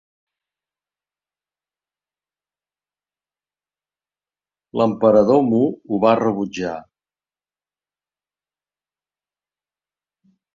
L'emperador Mu ho va rebutjar.